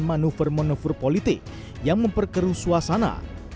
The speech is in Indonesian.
manuver manuver politik yang memperkeru suasana